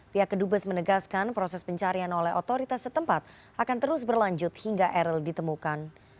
pihak kedubes menegaskan proses pencarian oleh otoritas setempat akan terus berlanjut hingga eril ditemukan